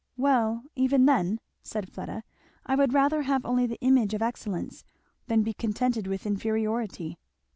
"Well, even then," said Fleda, "I would rather have only the image of excellence than be contented with inferiority."